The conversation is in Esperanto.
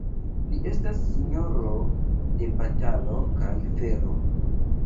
Li estas sinjoro de batalo kaj fero.